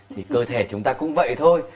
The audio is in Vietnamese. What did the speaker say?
thì cơ thể chúng ta cũng vậy thôi